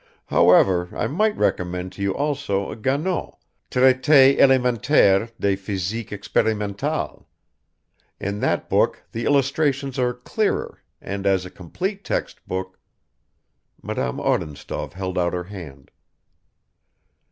"However, I might recommend to you also Ganot, Traité élémentaire de Physique Expérimentale. In that book the illustrations are clearer, and as a complete textbook " Madame Odintsov held out her hand.